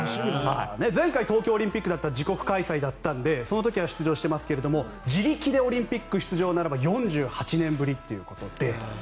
前回は東京オリンピックで自国開催だったのでその時は出場していますが自力でオリンピック出場ならば４８年ぶりということで。